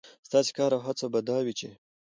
ستاسې کار او هڅه به دا وي، چې